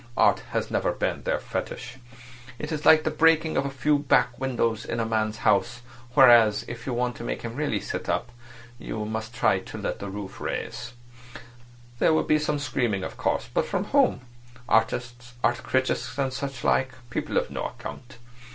Art has never been their fetish. It's like breaking a few back windows in a man's house; whereas, if you want to make him really sit up, you must try at least to raise the roof. There would be some screaming of course, but from whom? Artists—art critics and such like—people of no account.